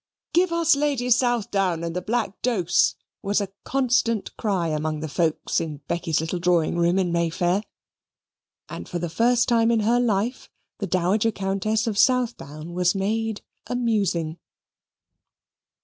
"Give us Lady Southdown and the black dose," was a constant cry amongst the folks in Becky's little drawing room in May Fair. And for the first time in her life the Dowager Countess of Southdown was made amusing.